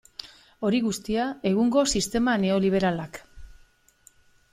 Hori guztia egungo sistema neoliberalak.